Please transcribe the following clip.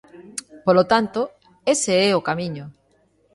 Polo tanto, ese é o camiño.